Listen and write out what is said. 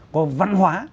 có văn hóa